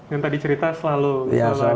yang tadi cerita selalu ada